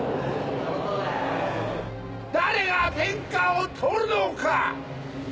誰が天下を取るのか！